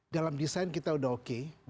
dalam desain kita sudah oke